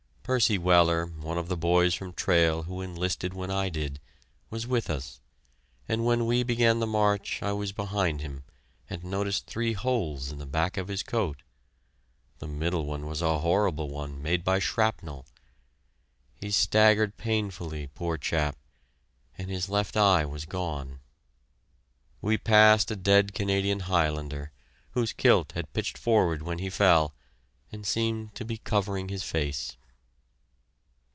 Percy Weller, one of the boys from Trail who enlisted when I did, was with us, and when we began the march I was behind him and noticed three holes in the back of his coat; the middle one was a horrible one made by shrapnel. He staggered painfully, poor chap, and his left eye was gone! We passed a dead Canadian Highlander, whose kilt had pitched forward when he fell, and seemed to be covering his face.